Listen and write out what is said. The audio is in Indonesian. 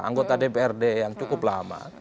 anggota dprd yang cukup lama